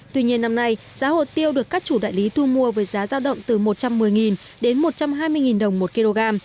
tuy nhiên năm nay giá hồ tiêu được các chủ đại lý thu mua với giá giao động từ một trăm một mươi đến một trăm hai mươi đồng một kg